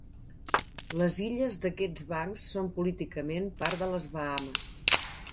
Les illes d'aquests bancs són políticament part de les Bahames.